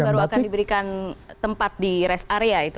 baru akan diberikan tempat di rest area itu